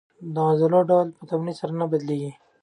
د عضلو ډول په تمرین سره نه بدلېږي.